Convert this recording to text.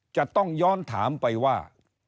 จะต้องย้อนถามไปว่า